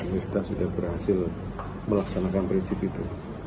kita sudah berhasil melaksanakan prinsip itu